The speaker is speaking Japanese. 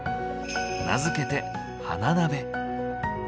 名付けて「花鍋」。